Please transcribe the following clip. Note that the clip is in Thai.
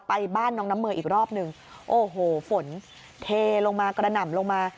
บ้านน้องน้ำเมย์อีกรอบหนึ่งโอ้โหฝนเทลงมากระหน่ำลงมา